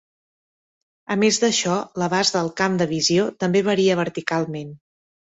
A més d'això l'abast del camp de visió també varia verticalment.